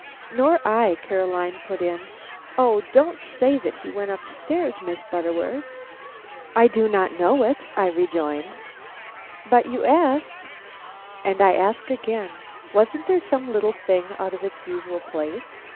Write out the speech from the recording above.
"Nor I," Caroline put in. "O, don't say that he went up stairs, Miss Butterworth!" "I do not know it," I rejoined. "But you asked " "And I ask again. Wasn't there some little thing out of its usual place?